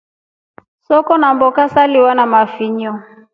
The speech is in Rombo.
Soko na mboka saliwa na mafinyo.